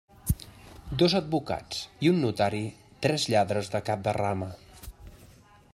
Dos advocats i un notari, tres lladres de cap de rama.